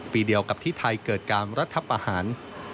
ปีเดียวกับที่ไทยเกิดการรัฐประหาร